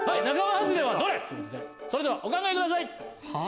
それではお考えください。